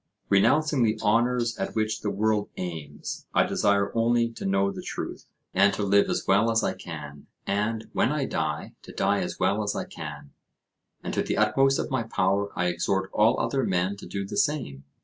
Renouncing the honours at which the world aims, I desire only to know the truth, and to live as well as I can, and, when I die, to die as well as I can. And, to the utmost of my power, I exhort all other men to do the same.